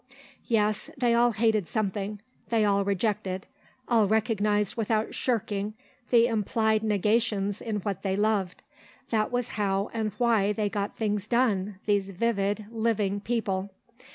Yes, they all hated something; they all rejected; all recognised without shirking the implied negations in what they loved. That was how and why they got things done, these vivid, living people.